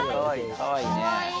かわいい。